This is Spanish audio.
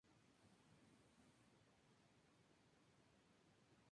Aquí están en un hábitat local de los afro-bosques montanos.